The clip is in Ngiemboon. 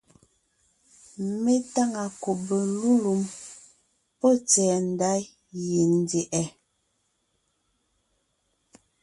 Mé táŋa kùbe lélùm pɔ́ tsɛ̀ɛ ndá yendyɛ̀ʼɛ.